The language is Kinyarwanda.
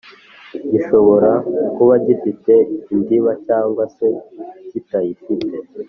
gishobora kuba gifite indiba cg se kitayifite